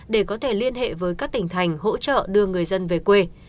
để có thể liên hệ với các tỉnh thành hỗ trợ đưa người dân về quê